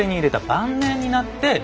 晩年になって？